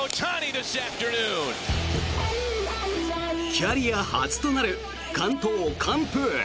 キャリア初となる完投・完封。